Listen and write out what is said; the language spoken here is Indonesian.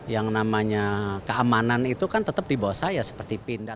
yang namanya keamanan itu kan tetap di bawah saya seperti pindah